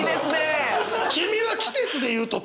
君は季節で言うと梅雨だ！